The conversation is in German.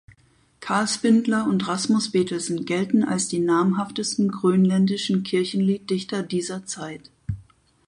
Carl Spindler und Rasmus Berthelsen gelten als die namhaftesten grönländischen Kirchenlieddichter dieser Zeit.